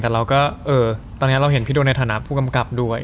แต่ตอนนี้เราเห็นพี่โด่ในฐานะผู้กำกับด้วย